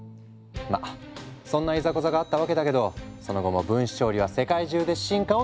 まあそんないざこざがあったわけだけどその後も分子調理は世界中で進化を続けている。